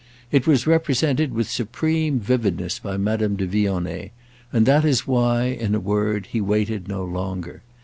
It was represented with supreme vividness by Madame de Vionnet, and that is why, in a word, he waited no longer.